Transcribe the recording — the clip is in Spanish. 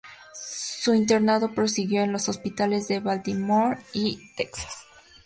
Su internado prosiguió en los Hospitales de Baltimore y Texas.